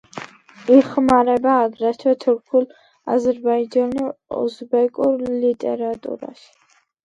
იხმარება აგრეთვე თურქულ, აზერბაიჯანულ, უზბეკურ ლიტერატურაში.